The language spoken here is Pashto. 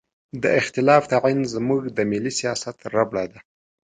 د اختلاف تعین زموږ د ملي سیاست ربړه ده.